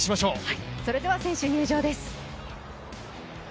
それでは選手入場です。